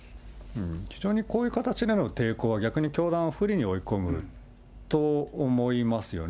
非常にこういう形での抵抗は逆に教団を不利に追い込むと思いますよね。